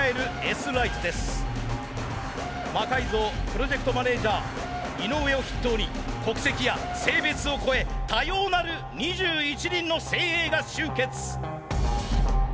プロジェクトマネージャー井上を筆頭に国籍や性別を超え多様なる２１人の精鋭が集結。